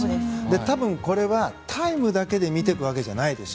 多分これはタイムだけで見ていくわけじゃないですよ。